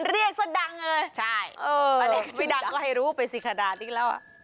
เรียกซะดังเลยใช่เออเด็กไม่ดังก็ให้รู้ไปสิคะดาดอีกแล้วอ่ะ